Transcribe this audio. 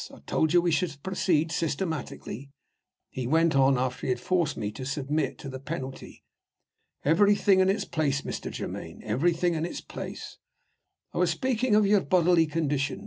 I told you we should proceed systematically," he went on, after he had forced me to submit to the penalty. "Everything in its place, Mr. Germaine everything in its place. I was speaking of your bodily condition.